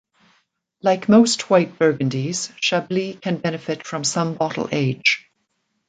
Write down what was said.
Like most white Burgundies, Chablis can benefit from some bottle age.